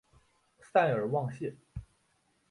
塞尔旺谢。